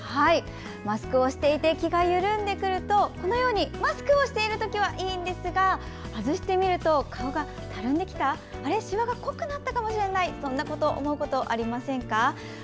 マスクをしていて気が緩んでくるとマスクをしてるときはいいんですがはずしてみると顔がたるんできたシワが濃くなってきたかもしれないそんなことを思うことありませんか？